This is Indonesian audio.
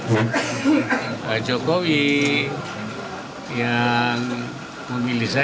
mungkin penghargaan pada ulama